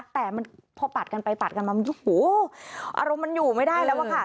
แต่มันพอปัดกันไปปัดกันมาอารมณ์มันอยู่ไม่ได้แล้วอะค่ะ